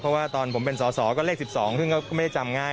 เพราะว่าตอนผมเป็นสอสอก็เลข๑๒ซึ่งก็ไม่ได้จำง่าย